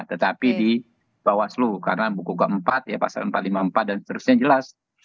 tetapi di bawaslu karena buku keempat ya pasal empat ratus lima puluh empat dan seterusnya jelas